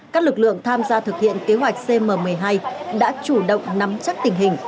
các lực lượng tham gia thực hiện kế hoạch cm một mươi hai đã chủ động nắm chắc tình hình